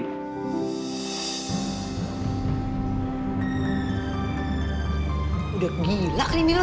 sudah gila mil ya